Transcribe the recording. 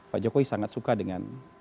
pak jokowi sangat suka dengan